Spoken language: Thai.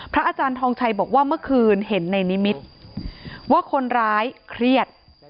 อาจารย์ทองชัยบอกว่าเมื่อคืนเห็นในนิมิตรว่าคนร้ายเครียด